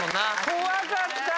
怖かった！